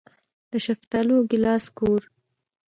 د شفتالو او ګیلاس کور.